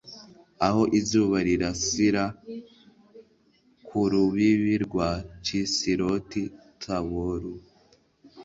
aho izuba rirasira, ku rubibi rwa kisiloti taboru